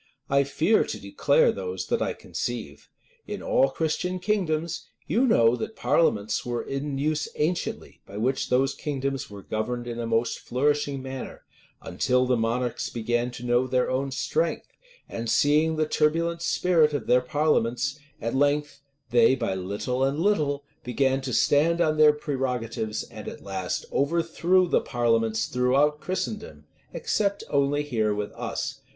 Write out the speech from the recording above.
I fear to declare those that I conceive. In all Christian kingdoms, you know that parliaments were in use anciently, by which those kingdoms were governed in a most flourishing manner; until the monarchs began to know their own strength, and seeing the turbulent spirit of their parliaments, at length they, by little and little, began to stand on their prerogatives, and at last overthrew the parliaments, throughout Christendom, except here only with us.